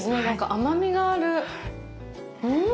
甘みがある。